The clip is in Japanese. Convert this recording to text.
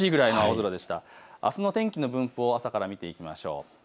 あすの天気の分布を朝から見てみましょう。